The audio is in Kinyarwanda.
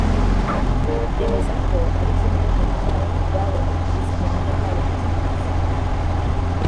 yemeza ko ari kimwe mu bitaramo byabaye byiza mu mateka ya muzika nyarwanda